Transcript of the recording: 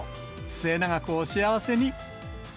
末永くお幸せに。